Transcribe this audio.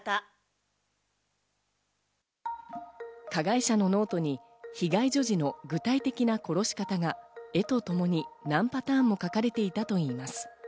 加害者のノートに、被害女児の具体的な殺し方が絵ともに何パターンも描かれていたといいます。